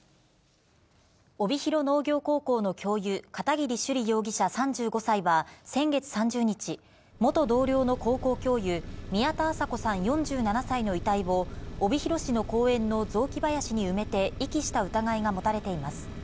帯広農業高校の教諭、片桐朱璃容疑者３５歳は先月３０日、元同僚の高校教諭、宮田麻子さん４７歳の遺体を、帯広市の公園の雑木林に埋めて、遺棄した疑いが持たれています。